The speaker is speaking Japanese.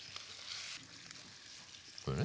これね。